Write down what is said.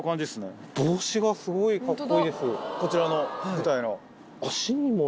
こちらの部隊の。